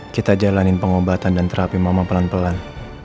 kita jalanin pengobatan dan terapi mama pelan pelan